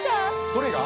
どれが！？